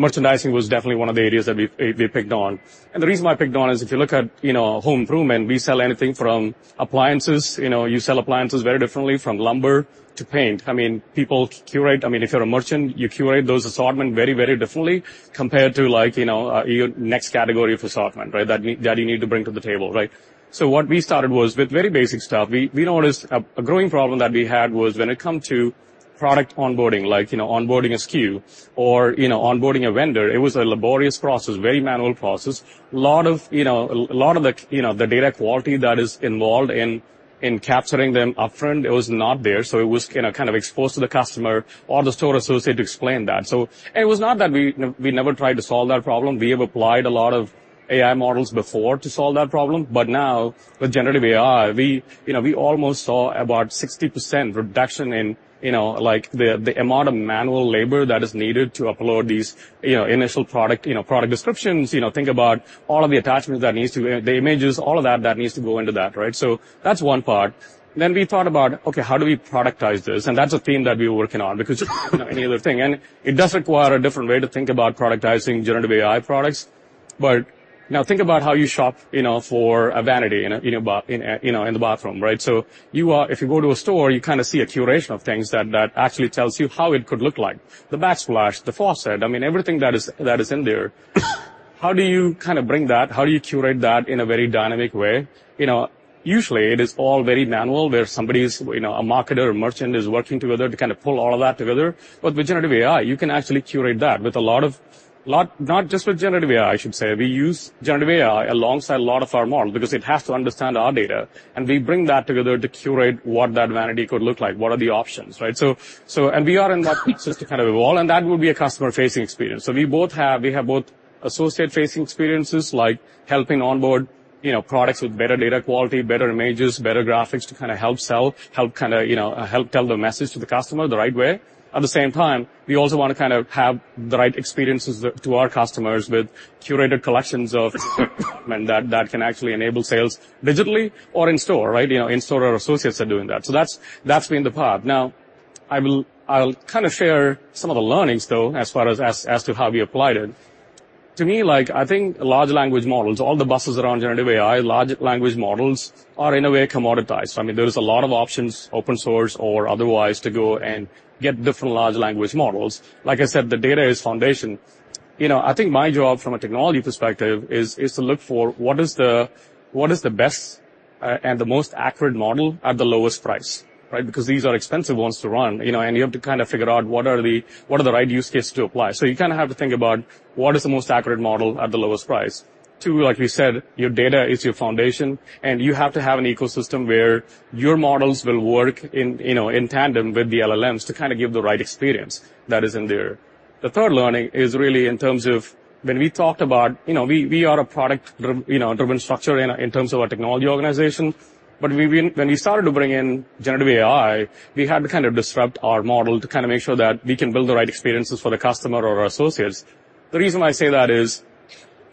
merchandising was definitely one of the areas that we picked on. And the reason why I picked on is, if you look at, you know, home improvement, we sell anything from appliances, you know, you sell appliances very differently, from lumber to paint. I mean, people curate. I mean, if you're a merchant, you curate those assortment very, very differently compared to, like, you know, your next category of assortment, right? That need, that you need to bring to the table, right? So what we started was with very basic stuff. We noticed a growing problem that we had was when it come to product onboarding, like, you know, onboarding a SKU or, you know, onboarding a vendor, it was a laborious process, very manual process. A lot of the data quality that is involved in capturing them upfront, it was not there. So it was, you know, kind of exposed to the customer or the store associate to explain that. It was not that we never tried to solve that problem. We have applied a lot of AI models before to solve that problem, but now with generative AI, we, you know, almost saw about 60% reduction in, you know, like, the amount of manual labor that is needed to upload these, you know, initial product, you know, product descriptions. You know, think about all of the attachments, the images, all of that, that needs to go into that, right? So that's one part. Then we thought about, okay, how do we productize this? And that's a theme that we were working on because, you know, any other thing. And it does require a different way to think about productizing generative AI products. But now think about how you shop, you know, for a vanity you know, in the bathroom, right? So, if you go to a store, you kinda see a curation of things that actually tells you how it could look like. The backsplash, the faucet, I mean, everything that is in there. How do you kinda bring that? How do you curate that in a very dynamic way? You know, usually it is all very manual, where somebody is, you know, a marketer or merchant is working together to kinda pull all of that together. But with Generative AI, you can actually curate that with a lot of. Not just with Generative AI, I should say. We use Generative AI alongside a lot of our model because it has to understand our data, and we bring that together to curate what that variety could look like. What are the options, right? So and we are in that process to kind of evolve, and that would be a customer-facing experience. So we have both associate-facing experiences, like helping onboard, you know, products with better data quality, better images, better graphics to kind of help sell, help kind of, you know, help tell the message to the customer the right way. At the same time, we also wanna kind of have the right experiences to our customers with curated collections that can actually enable sales digitally or in store, right? You know, in store, our associates are doing that. So that's been the path. Now, I'll kinda share some of the learnings, though, as far as to how we applied it. To me, like, I think large language models, all the buzz around generative AI, large language models are in a way commoditized. I mean, there is a lot of options, open source or otherwise, to go and get different large language models. Like I said, the data is foundation. You know, I think my job from a technology perspective is to look for what is the best and the most accurate model at the lowest price, right? Because these are expensive ones to run, you know, and you have to kinda figure out what are the right use cases to apply. So you kinda have to think about what is the most accurate model at the lowest price. Two, like we said, your data is your foundation, and you have to have an ecosystem where your models will work in, you know, in tandem with the LLMs to kinda give the right experience that is in there. The third learning is really in terms of when we talked about. You know, we are a product-driven, you know, driven structure in terms of our technology organization. But when we started to bring in generative AI, we had to kind of disrupt our model to kinda make sure that we can build the right experiences for the customer or our associates. The reason why I say that is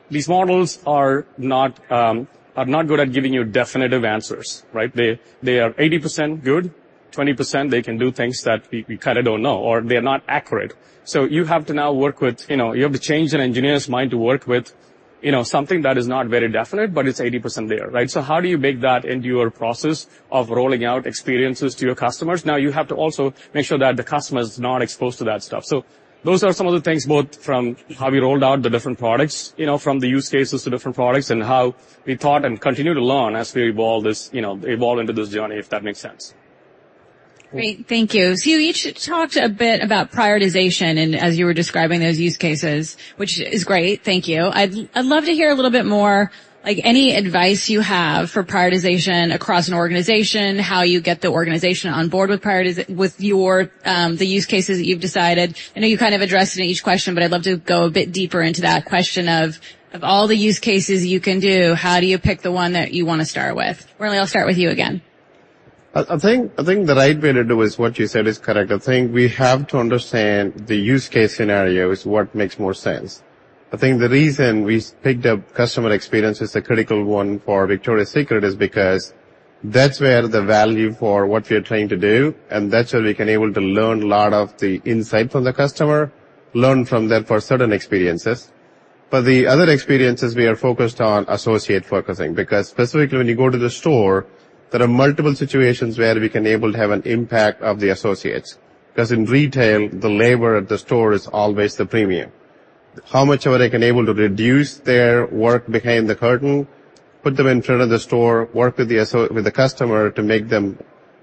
these models are not are not good at giving you definitive answers, right? They are 80% good, 20%, they can do things that we kinda don't know or they are not accurate. So you have to now work with, you know, you have to change an engineer's mind to work with, you know, something that is not very definite, but it's 80% there, right? So how do you bake that into your process of rolling out experiences to your customers? Now, you have to also make sure that the customer is not exposed to that stuff. So those are some of the things, both from how we rolled out the different products, you know, from the use cases to different products, and how we thought and continue to learn as we evolve this, you know, evolve into this journey, if that makes sense. Great. Thank you. So you each talked a bit about prioritization and as you were describing those use cases, which is great. Thank you. I'd love to hear a little bit more, like any advice you have for prioritization across an organization, how you get the organization on board with the use cases that you've decided. I know you kind of addressed it in each question, but I'd love to go a bit deeper into that question of all the use cases you can do, how do you pick the one that you wanna start with? Murali, I'll start with you again. I, I think, I think the right way to do is what you said is correct. I think we have to understand the use case scenario is what makes more sense. I think the reason we picked up customer experience as a critical one for Victoria's Secret is because that's where the value for what we are trying to do, and that's where we can able to learn a lot of the insight from the customer, learn from them for certain experiences. But the other experiences, we are focused on associate focusing, because specifically when you go to the store, there are multiple situations where we can able to have an impact of the associates. Because in retail, the labor at the store is always the premium. How much can they be able to reduce their work behind the curtain, put them in front of the store, work with the associates with the customer to make the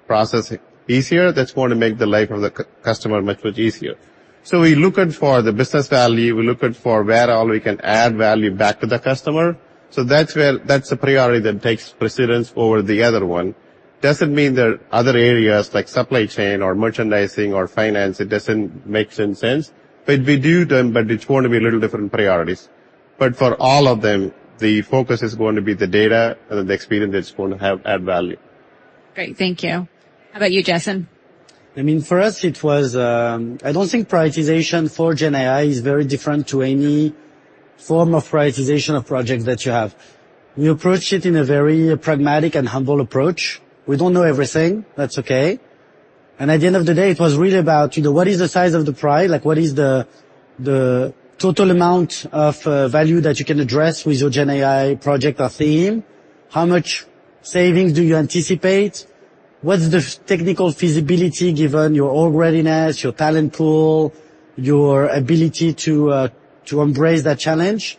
process easier, that's going to make the life of the customer much, much easier. So we looking for the business value, we looking for where all we can add value back to the customer. So that's where that's the priority that takes precedence over the other one. Doesn't mean there are other areas like supply chain or merchandising or finance, it doesn't make some sense, but we do them, but it's going to be a little different priorities. But for all of them, the focus is going to be the data and the experience that's going to have add value. Great. Thank you. How about you, Jessyn? I mean, for us, it was, I don't think prioritization for Gen AI is very different to any form of prioritization of projects that you have. We approach it in a very pragmatic and humble approach. We don't know everything. That's okay. And at the end of the day, it was really about, you know, what is the size of the prize? Like, what is the total amount of value that you can address with your Gen AI project or theme? How much savings do you anticipate? What's the technical feasibility given your org readiness, your talent pool, your ability to, to embrace that challenge?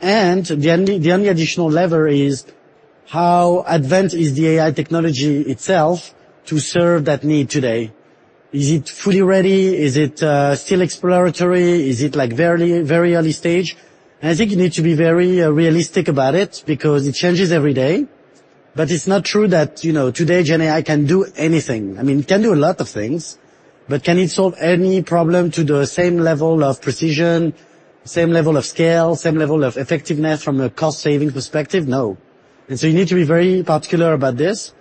And the only additional lever is how advanced is the AI technology itself to serve that need today. Is it fully ready? Is it, still exploratory? Is it, like, very, very early stage? I think you need to be very realistic about it because it changes every day. But it's not true that, you know, today, Gen AI can do anything. I mean, it can do a lot of things, but can it solve any problem to the same level of precision, same level of scale, same level of effectiveness from a cost-saving perspective? No. And so you need to be very particular about this.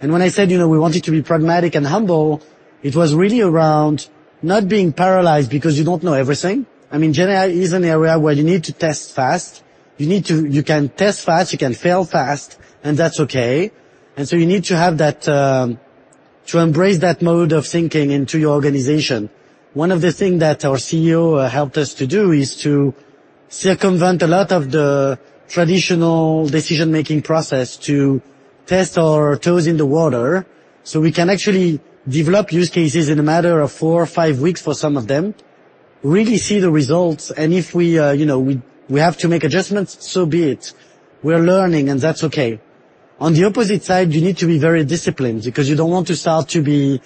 And when I said, you know, we want it to be pragmatic and humble, it was really around not being paralyzed because you don't know everything. I mean, Gen AI is an area where you need to test fast. You need to. You can test fast, you can fail fast, and that's okay. And so you need to have that to embrace that mode of thinking into your organization. One of the things that our CEO helped us to do is to circumvent a lot of the traditional decision-making process to test our toes in the water, so we can actually develop use cases in a matter of four or five weeks for some of them, really see the results, and if we, you know, we have to make adjustments, so be it. We're learning, and that's okay. On the opposite side, you need to be very disciplined because you don't want to start to be,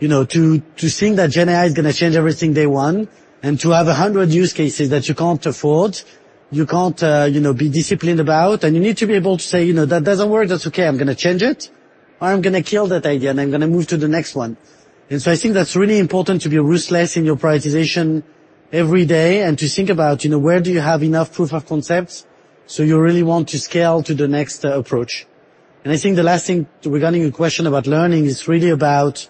you know, to, to think that Gen AI is gonna change everything day one, and to have 100 use cases that you can't afford, you can't, you know, be disciplined about. And you need to be able to say, "You know, that doesn't work. That's okay, I'm gonna change it, or I'm gonna kill that idea, and I'm gonna move to the next one." And so I think that's really important to be ruthless in your prioritization every day and to think about, you know, where do you have enough proof of concepts, so you really want to scale to the next approach. And I think the last thing regarding your question about learning is really about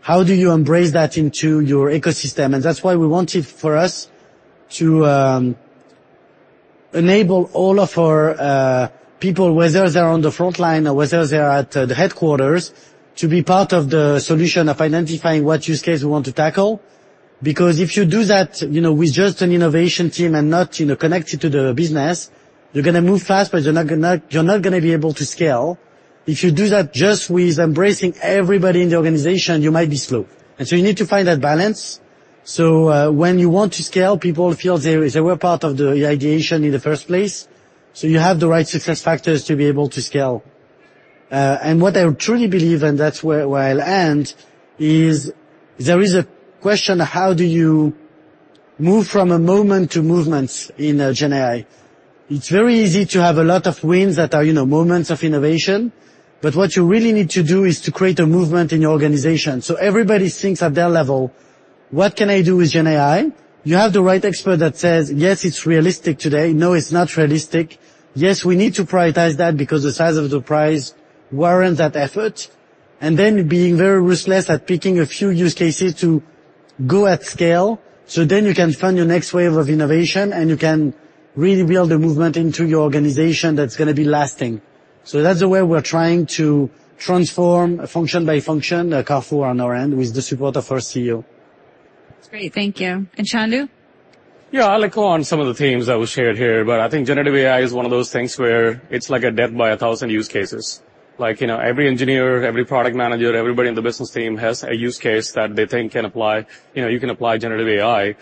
how do you embrace that into your ecosystem? And that's why we want it for us to enable all of our people, whether they're on the frontline or whether they're at the headquarters, to be part of the solution of identifying what use case we want to tackle. Because if you do that, you know, with just an innovation team and not, you know, connected to the business, you're gonna move fast, but you're not gonna, you're not gonna be able to scale. If you do that just with embracing everybody in the organization, you might be slow. And so you need to find that balance. So, when you want to scale, people feel they were part of the ideation in the first place, so you have the right success factors to be able to scale. And what I truly believe, and that's where I'll end, is there is a question: how do you move from a moment to movements in Gen AI? It's very easy to have a lot of wins that are, you know, moments of innovation, but what you really need to do is to create a movement in your organization. So everybody thinks at their level, "What can I do with Gen AI?" You have the right expert that says, "Yes, it's realistic today. No, it's not realistic. Yes, we need to prioritize that because the size of the prize warrants that effort." And then being very ruthless at picking a few use cases to go at scale, so then you can find your next wave of innovation, and you can really build a movement into your organization that's gonna be lasting. So that's the way we're trying to transform function by function at Carrefour on our end, with the support of our CEO. That's great. Thank you. And Chandu? Yeah, I'll echo on some of the themes that were shared here, but I think generative AI is one of those things where it's like a death by a thousand use cases. Like, you know, every engineer, every product manager, everybody in the business team has a use case that they think can apply, you know, you can apply generative AI.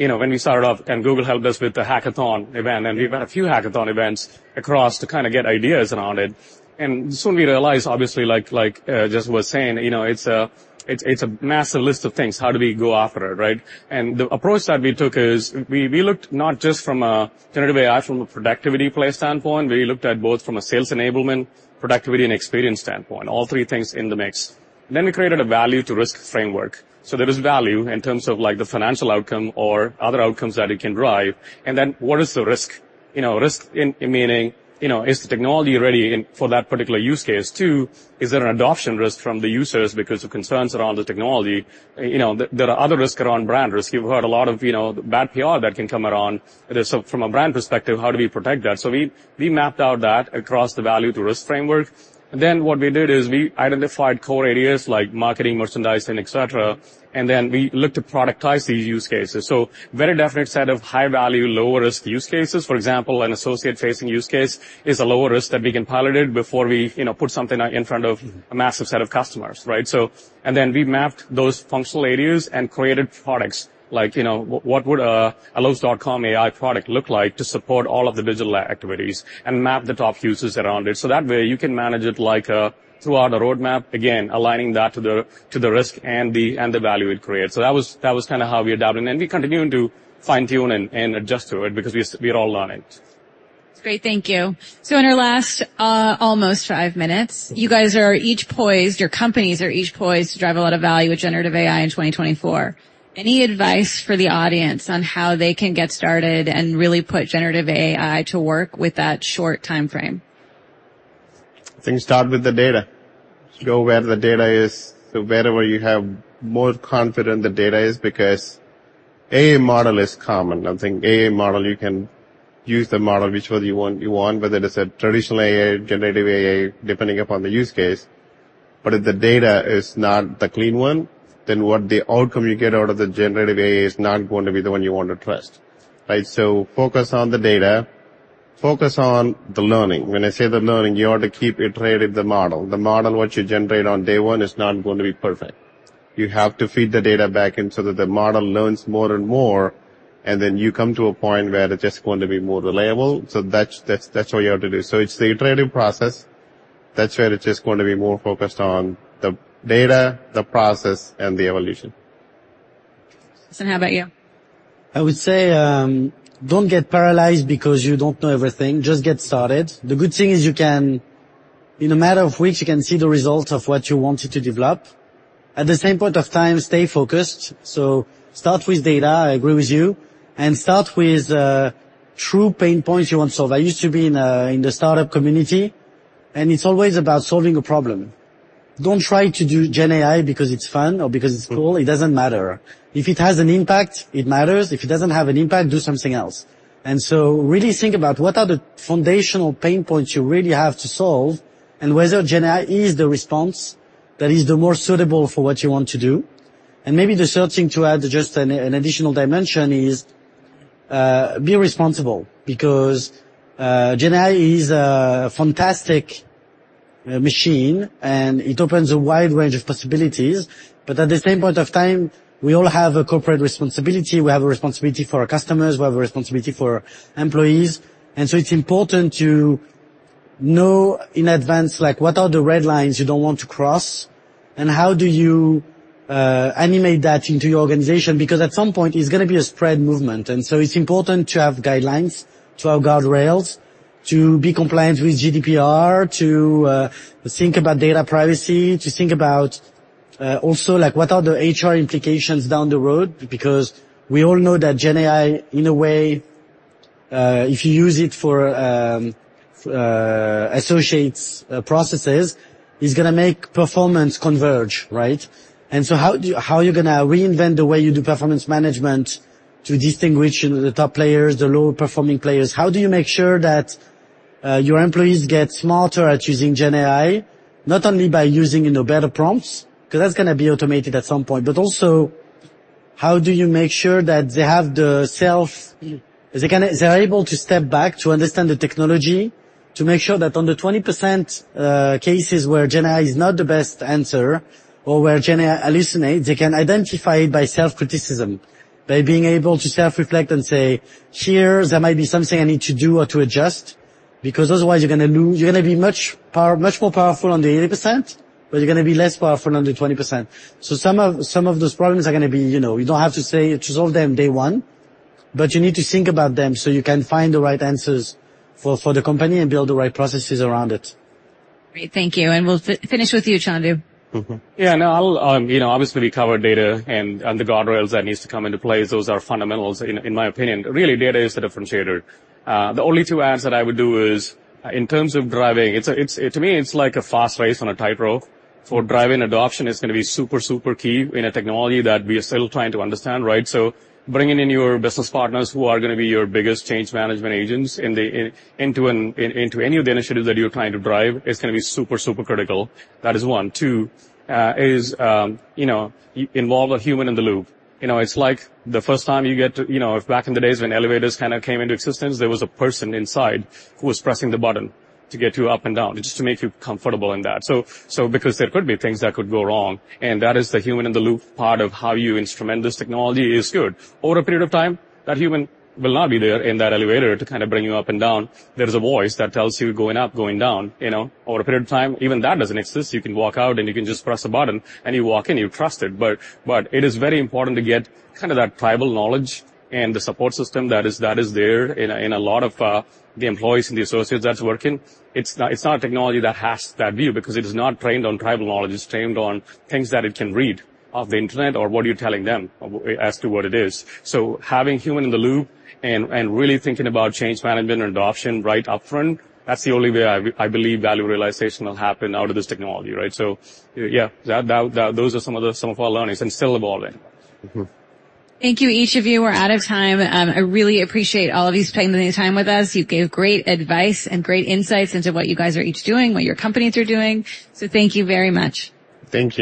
You know, when we started off, and Google helped us with the hackathon event, and we've had a few hackathon events across to kind of get ideas around it. And soon we realized, obviously, like, Jess was saying, you know, it's a massive list of things. How do we go after it, right? The approach that we took is we looked not just from a generative AI, from a productivity play standpoint. We looked at both from a sales enablement, productivity, and experience standpoint, all three things in the mix. Then we created a value-to-risk framework. So there is value in terms of, like, the financial outcome or other outcomes that it can drive. And then what is the risk? You know, risk in meaning, you know, is the technology ready for that particular use case, too? Is there an adoption risk from the users because of concerns around the technology? You know, there are other risk around brand risk. You've heard a lot of, you know, bad PR that can come around. So from a brand perspective, how do we protect that? So we mapped out that across the value to risk framework. Then what we did is we identified core areas like marketing, merchandising, et cetera, and then we looked to productize these use cases. So, very definite set of high-value, low-risk use cases. For example, an associate-facing use case is a lower risk that we can pilot it before we, you know, put something out in front of a massive set of customers, right? So, and then we mapped those functional areas and created products like, you know, what would a Lowe's.com AI product look like to support all of the digital activities, and map the top uses around it. So that way, you can manage it like, throughout a roadmap, again, aligning that to the risk and the value it creates. So that was kind of how we adapted, and we're continuing to fine-tune and adjust to it because we're all learning. Great. Thank you. So in our last almost five minutes, you guys are each poised, your companies are each poised to drive a lot of value with generative AI in 2024. Any advice for the audience on how they can get started and really put generative AI to work with that short time frame? I think start with the data. Go where the data is. So wherever you have more confident the data is because, A, model is common. I think A model, you can use the model, which one you want, you want, whether it's a traditional AI, generative AI, depending upon the use case. But if the data is not the clean one, then what the outcome you get out of the generative AI is not going to be the one you want to trust, right? So focus on the data, focus on the learning. When I say the learning, you want to keep iterating the model. The model what you generate on day one is not going to be perfect. You have to feed the data back in so that the model learns more and more, and then you come to a point where it's just going to be more reliable. So that's what you have to do. So it's the iterative process. That's where it's just going to be more focused on the data, the process, and the evolution. How about you? I would say, don't get paralyzed because you don't know everything. Just get started. The good thing is you can, in a matter of weeks, you can see the results of what you wanted to develop. At the same point of time, stay focused. So start with data, I agree with you, and start with true pain points you want to solve. I used to be in the startup community, and it's always about solving a problem. Don't try to do Gen AI because it's fun or because it's cool. It doesn't matter. If it has an impact, it matters. If it doesn't have an impact, do something else. And so really think about what are the foundational pain points you really have to solve, and whether Gen AI is the response that is the more suitable for what you want to do. Maybe the third thing to add, just an additional dimension is, be responsible because, Gen AI is a fantastic machine, and it opens a wide range of possibilities. But at the same point of time, we all have a corporate responsibility, we have a responsibility for our customers, we have a responsibility for our employees, and so it's important to know in advance, like, what are the red lines you don't want to cross, and how do you, animate that into your organization? Because at some point, it's gonna be a spread movement, and so it's important to have guidelines, to have guardrails, to be compliant with GDPR, to, think about data privacy, to think about, also, like, what are the HR implications down the road? Because we all know that Gen AI, in a way, if you use it for associates processes, is gonna make performance converge, right? And so how do you... how are you gonna reinvent the way you do performance management to distinguish, you know, the top players, the lower-performing players? How do you make sure that your employees get smarter at using Gen AI? Not only by using, you know, better prompts, 'cause that's gonna be automated at some point, but also how do you make sure that they have the self- they're able to step back to understand the technology, to make sure that on the 20% cases where Gen AI is not the best answer or where Gen AI hallucinates, they can identify it by self-criticism, by being able to self-reflect and say, "Here, there might be something I need to do or to adjust," because otherwise you're gonna be much more powerful on the 80%, but you're gonna be less powerful on the 20%. So some of those problems are gonna be, you know, you don't have to say to solve them day one, but you need to think about them so you can find the right answers for the company and build the right processes around it. Great, thank you. And we'll finish with you, Chandu. Mm-hmm. Yeah, no, I'll... You know, obviously, we covered data and the guardrails that needs to come into play. Those are fundamentals, in my opinion. Really, data is the differentiator. The only two adds that I would do is, in terms of driving, it's a, it's a—to me, it's like a fast race on a tightrope. For driving adoption, it's gonna be super, super key in a technology that we are still trying to understand, right? So bringing in your business partners who are gonna be your biggest change management agents in the, into any of the initiatives that you're trying to drive, is gonna be super, super critical. That is one. Two is, you know, involve a human in the loop. You know, it's like the first time you get to... You know, back in the days when elevators kind of came into existence, there was a person inside who was pressing the button to get you up and down, just to make you comfortable in that. So, because there could be things that could go wrong, and that is the human-in-the-loop part of how you instrument this technology is good. Over a period of time, that human will not be there in that elevator to kind of bring you up and down. There is a voice that tells you you're going up, going down, you know. Over a period of time, even that doesn't exist. You can walk out, and you can just press a button, and you walk in, you trust it. But it is very important to get kind of that tribal knowledge and the support system that is there in a lot of the employees and the associates that's working. It's not a technology that has that view because it is not trained on tribal knowledge. It's trained on things that it can read off the Internet or what you're telling them as to what it is. So having human in the loop and really thinking about change management and adoption right upfront, that's the only way I believe value realization will happen out of this technology, right? So, yeah, that... Those are some of our learnings, and still evolving. Thank you, each of you. We're out of time. I really appreciate all of you spending the time with us. You gave great advice and great insights into what you guys are each doing, what your companies are doing. So thank you very much. Thank you.